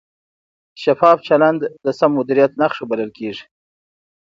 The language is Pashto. شفاف چلند د سم مدیریت نښه بلل کېږي.